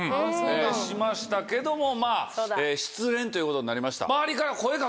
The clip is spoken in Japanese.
しましたけどもまぁ。ということになりました。